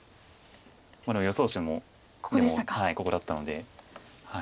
この予想手でもここだったので。